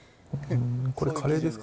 これ、カレーですか？